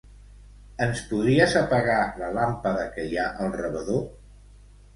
Ens podries apagar la làmpada que hi ha al rebedor?